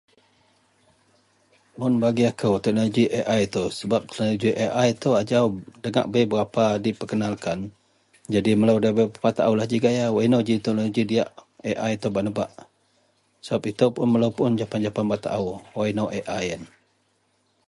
mun bagi akou teknologi Ai itou, sebab teknologi Ai itou ajau degak bei berapa diperkenalkan jadi melou daberapa taaulah ji gaya wak inou ji teknologi diyak Ai itou bak nebak, sebab itou pun melou japan-japan bak taau wak inou Ai ien